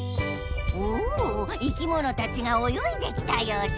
お生きものたちがおよいできたようじゃ。